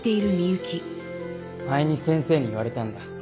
前に先生に言われたんだ。